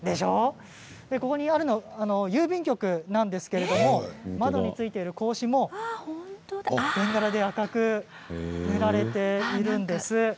ここにあるのは郵便局なんですけれども窓についている格子もベンガラで赤く塗られているんです。